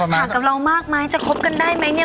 ห่างกับเรามากไหมจะคบกันได้ไหมเนี่ย